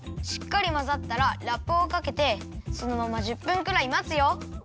しっかりまざったらラップをかけてそのまま１０分ぐらいまつよ。